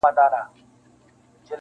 د کرنې تاریخ لرغونی دی.